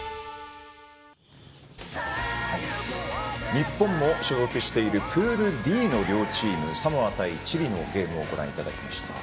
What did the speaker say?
日本も所属しているプールＤの両チームサモア対チリのゲームをご覧いただきました。